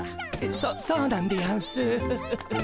そそうなんでやんす。